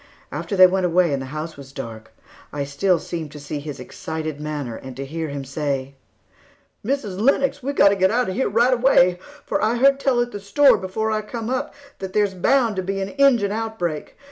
After they went away and the house was dark, I still seemed to see his excited manner and to hear him say: "Mrs. Lennox, we've got to get out of here right away, for I heard tell at the store before I come up that there's bound to be an Injun outbreak.